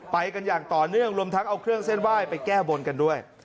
ไปกันอย่างต่อเนื่องรวมทั้งเอาเครื่องเส้นไหว้ไปแก้บนกันด้วย